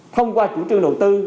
thông qua chủ trương đầu tư